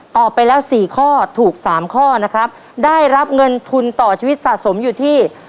ไปแล้วสี่ข้อถูกสามข้อนะครับได้รับเงินทุนต่อชีวิตสะสมอยู่ที่